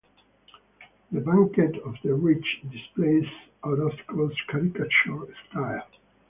"The Banquet of the Rich" displays Orozco's caricature style.